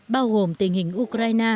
bao gồm tình hình ukraine